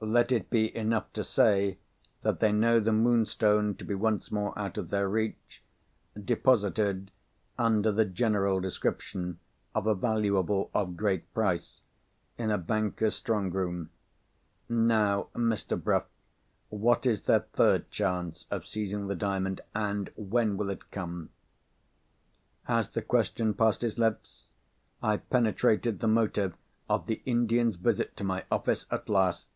Let it be enough to say that they know the Moonstone to be once more out of their reach; deposited (under the general description of 'a valuable of great price') in a banker's strong room. Now, Mr. Bruff, what is their third chance of seizing the Diamond? and when will it come?" As the question passed his lips, I penetrated the motive of the Indian's visit to my office at last!